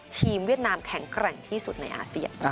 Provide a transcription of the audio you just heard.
เวียดนามแข็งแกร่งที่สุดในอาเซียน